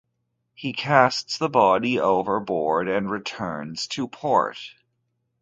He casts the body overboard and returns to port.